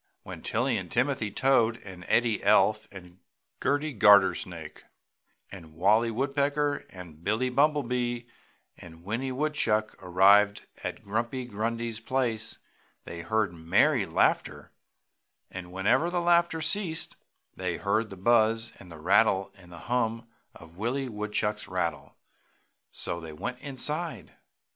When Tilly and Timothy Toad and Eddie Elf and Gerty Gartersnake and Wallie Woodpecker and Billie Bumblebee and Winnie Woodchuck arrived at Grumpy Grundy's place they heard merry laughter and whenever the laughter ceased, they heard the buzz and rattle and hum of Willie Woodchuck's rattle. So they went inside.